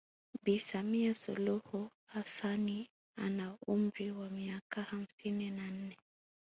Bi Samia Suluhu Hassanni ana umri wa miaka hamsini na nne